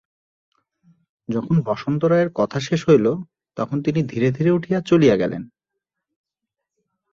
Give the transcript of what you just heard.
যখন বসন্ত রায়ের কথা শেষ হইল তখন তিনি ধীরে ধীরে উঠিয়া চলিয়া গেলেন।